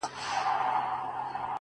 سم ليونى سوم؛